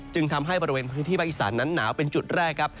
จึงทำให้บริเวณพื้นที่ภาคอีสานนั้นหนาวเป็นจุดแรกครับ